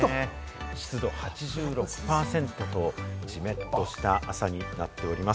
湿度８６％と、じめっとした朝になっております。